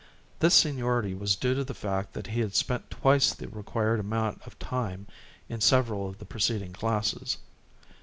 This seniority was due to the fact that he had spent twice the required amount of time in several of the preceding classes.